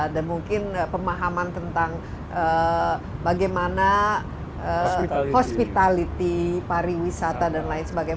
dan mungkin pemahaman tentang bagaimana hospitality pariwisata dan lain sebagainya